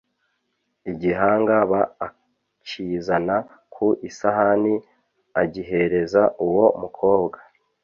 igihanga b akizana ku isahani agihereza uwo mukobwa